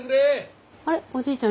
あれおじいちゃん